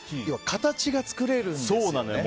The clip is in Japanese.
形が作れるんですよね。